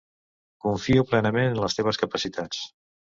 Confio plenament en les teves capacitats.